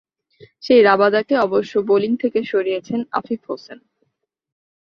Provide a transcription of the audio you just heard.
সেই রাবাদাকে অবশ্য বোলিং থেকে সরিয়েছেন আফিফ হোসেন।